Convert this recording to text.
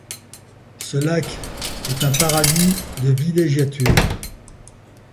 Ce lac est un paradis de villégiature.